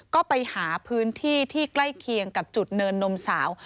ก็ไปหาพื้นที่ที่ใกล้เคียงกับจุดเนินนมสาว